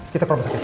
kita kerumah sakit